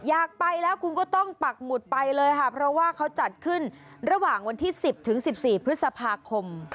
อยากไปแล้วคุณก็ต้องปักหมุดไปเลยค่ะเพราะว่าเขาจัดขึ้นระหว่างวันที่๑๐ถึง๑๔พฤษภาคม